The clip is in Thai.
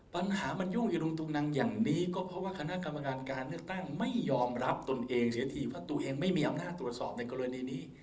ปัญหามันยุ่งอยู่ลุงตุงนังอย่างนี้ก็เพราะว่าคณะกรรมการการเลือกตั้งไม่ยอมรับตนเองเสียทีเพราะตัวเองไม่มีอำนาจตรวจสอบในกรณีนี้